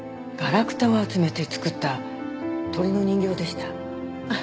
ガラクタを集めて作った鳥の人形でした。